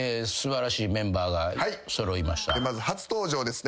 まず初登場ですね